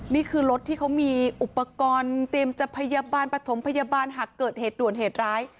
นี่คือรถที่เขามีอุปกรณ์เตรียมจะพยาบาลปฐมพยาบาลหากเกิดเหตุด่วนเหตุร้าย